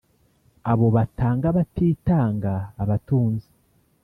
abo batanga batitanga abatunzi